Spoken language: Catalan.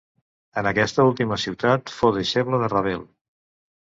En aquesta última ciutat fou deixeble de Ravel.